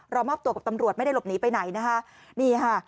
เรามอบตัวกับตำรวจไม่ได้หลบหนีไปไหน